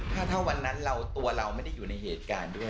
ถ้าวันนั้นตัวเราไม่ได้อยู่ในเหตุการณ์ด้วย